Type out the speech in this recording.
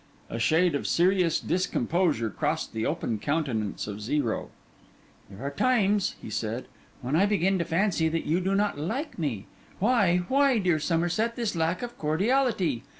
A shade of serious discomposure crossed the open countenance of Zero. 'There are times,' he said, 'when I begin to fancy that you do not like me. Why, why, dear Somerset, this lack of cordiality?